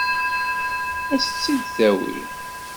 Ad s-tt-id-tawi?